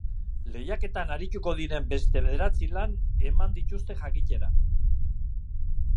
Lehiaketan arituko diren beste bederatzi lan eman dituzte jakitera.